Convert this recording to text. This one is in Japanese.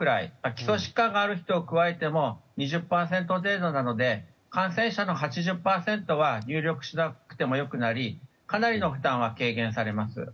基礎疾患がある人を加えても２０％程度なので感染者の８０％は入力しなくてもよくなりかなりの負担は軽減されます。